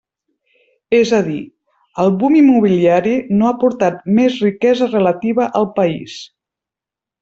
És a dir, el boom immobiliari no ha portat més riquesa relativa al país.